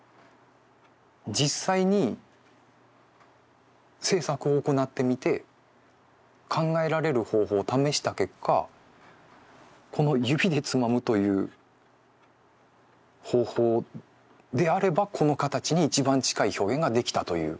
実際に制作を行ってみて考えられる方法を試した結果この指でつまむという方法であればこの形に一番近い表現ができたという。